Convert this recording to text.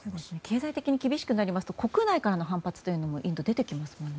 経済的に厳しくなりますと国内からの反発もインドでは出てきますからね。